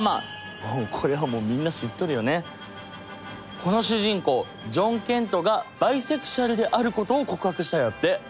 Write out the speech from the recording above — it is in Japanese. この主人公ジョン・ケントがバイセクシュアルであることを告白したんやって。